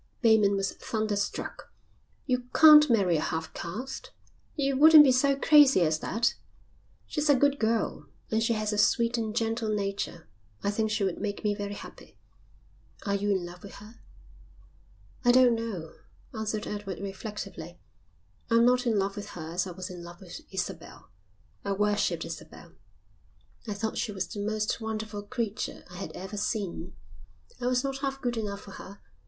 Bateman was thunderstruck. "You can't marry a half caste. You wouldn't be so crazy as that." "She's a good girl, and she has a sweet and gentle nature. I think she would make me very happy." "Are you in love with her?" "I don't know," answered Edward reflectively. "I'm not in love with her as I was in love with Isabel. I worshipped Isabel. I thought she was the most wonderful creature I had ever seen. I was not half good enough for her.